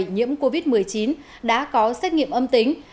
nhiễm covid một mươi chín đã có xét nghiệm âm tính